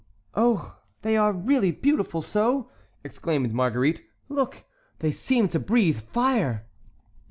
"Oh, they are really beautiful so!" exclaimed Marguerite. "Look—they seem to breathe fire!"